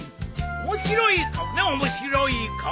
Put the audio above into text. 面白い顔ね面白い顔。